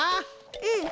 うん。